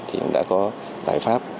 thì đã có giải pháp